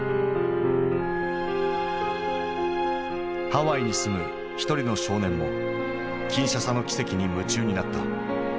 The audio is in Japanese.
ハワイに住む一人の少年もキンシャサの奇跡に夢中になった。